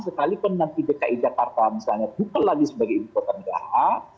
sekalipun nanti dki jakarta misalnya bukan lagi sebagai ibu kota negara